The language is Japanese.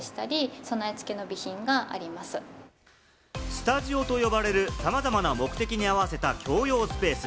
スタジオと呼ばれる、さまざまな目的に合わせた共有スペース。